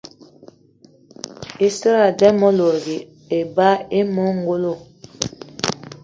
I seradé ame lòdgì eba eme ongolo.